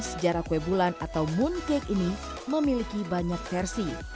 sejarah kue bulan atau mooncake ini memiliki banyak versi